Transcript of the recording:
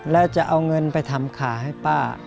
แล้วจะเอาเงินไปทำขาให้ป้า